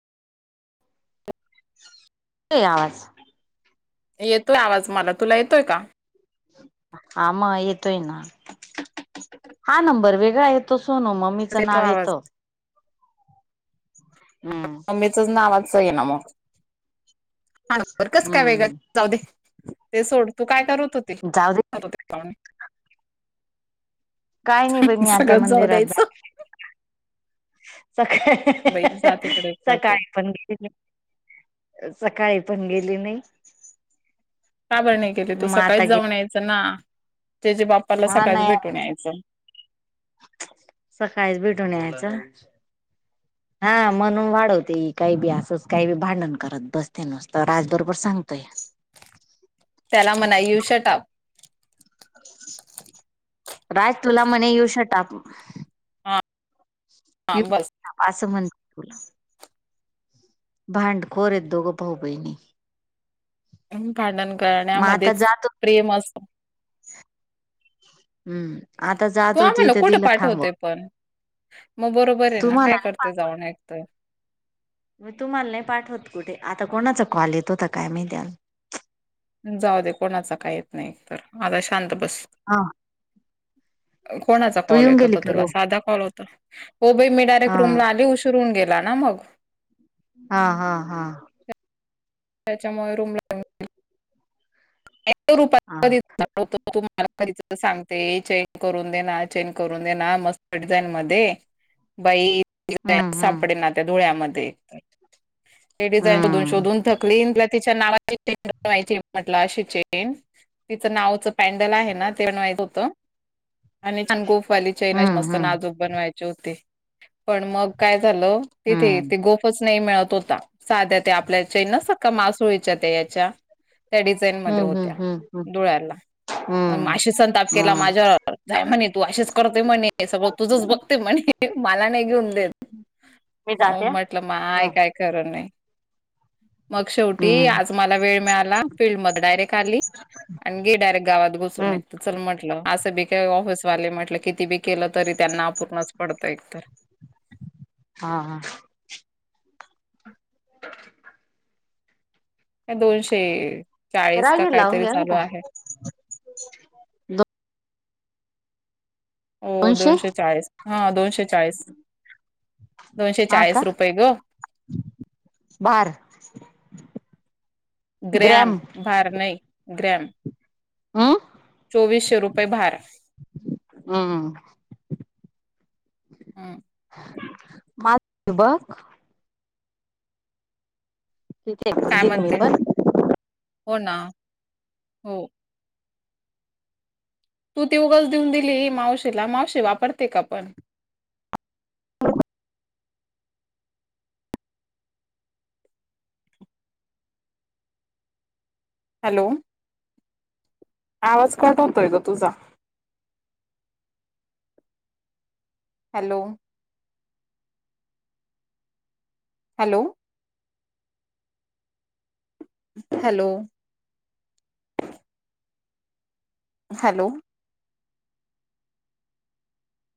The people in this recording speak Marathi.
ये आस येतोय आवाज मला. तुला येतोय का? हा मग येतोय ना. हा नंबर वेगळा आहे तो सोनू म्हणू मुलीच येतो नाव आवाज येतं. हम नावाच आहे ना मग कस काय वेगळ हम्म जाऊ दे. ते सोड तू काय करत होती. जाऊ दे काय नाही पण मी आता सगळं जाऊ मंदिरात द्यायचं जात [unintelligible] बाई जा सकाळी. तिकडे [unintelligible] करतो सकाळी पण गेली. सकाळी पण गेली नाही. का बर गेली तू मग सकाळीच आता गे जाऊन यायच ना त्याच्या बाप्पाला हा सकाळीच नाही भेटून यायचं. सकाळीच भेटूनू यायच. [unintelligible] हा म्हणून वाढवते काही बी अस काही बी भांडण करत बसते नसत राज बरोबर सांगतोय. त्याला म्हणा यु षटाप. राज तुला मणे येऊ शटाप. हा हा, असं बस शटाप म्हणते तुला. भांडखोर येत दोघं भाऊ बहिणी ह भांडण मग आता करण्यामध्येच जातो प्रेम असत. हम्म आता तू जात होती आम्हाला तर कुठे तिला थांबव पाठवतेय पण. मग बरोबर आहे ना काय तुम्हाला नाही करते जाऊन ऐकतंय. मग तुम्हाला नाही पाठवत कुठे आता कोणाचा कॉल येत होता काय माहित आता जाऊ दे कोणाचा काही येत नाही तर आता शांत बस. हा कोणाचा तू कॉल येऊन येत गेली होता का तुला रो साधा कॉल होता. ओबे मी डायरेक्ट हा रूमला आली उशीरून गेला ना मग हा हा हा त्याच्यामुळे रूमला रूपा हा दीदी तू मला कधीच सांगते चेंज करून देना चेंज करून देना मस्त डिझाईन मध्ये बाई हम्म हम्म सापडे ना त्या धुळ्यामध्ये मी डिझाइन शोधून हम्म शोधून थकली तिच्या नावा म्हटली तिच्या नावाची चेन तिचं नावच पॅन्डल आहे ना तेन माहित होत. आणि छान गोफवाली चेन हम्म मस्त हम्म नाजूक बनवायचे होते पण मग काय झालं तिथे ते हम्म गोफच नाही मिळत होता साध्या आपल्या चेन नसतात का मासोळी त्याच्या त्या डिझाइन हम्म होत्या हम्म धूळ्याला हम्म हम्म हम्म असा संताप केला हम्म माझ्यावर जाय म्हणे तू असेच करते म्हणे सगळं तुझंच बघते म्हणे मला नाही घेऊन देत. मी हो जाते हा. म्हटलं माय हम्म काय खर नाही मग शेवटी हम्म आज मला वेळ मिळाला फील्ड मधे डायरेक्ट खाली आण गी डायरेक्ट गावात घुसून हम्म येत चल म्हटलं. असं बी काय ऑफिसवाले म्हटलं किती बी केलं तरी त्यांना अपूर्णच पडतं एकतर. हा ह, [inaudible] [inaudible] दोनशे चाळीस का रागीर लावून काहीतरी घ्या चालू बेटा आहे. हो दोनशे चाळीस हा दोनशे चाळीस दोनशे चाळीस रुपये ग भार ग्रॅम. भार नाही ग्रॅम हम्म. चोवीशे रुपये भारा. हम्म. हम्म मात, बघ. किती काय दिल मी म्हणते, पण हो ना, हो. तू ती उगच देऊन दिली मावशीला मावशी वापरते का पण? हॅलो. आवाज कट होतोय ग तुझा? हॅलो. हॅलो. हॅलो. हॅलो.